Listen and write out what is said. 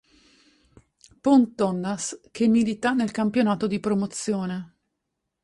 Pont-Donnas, che milita nel campionato di Promozione.